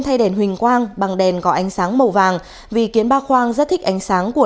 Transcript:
thay đèn huỳnh quang bằng đèn có ánh sáng màu vàng vì kiến ba khoang rất thích ánh sáng của